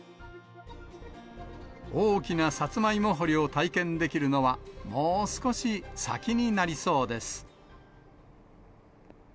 大きなさつまいも掘りを体験できるのは、もう少し先になりそうです。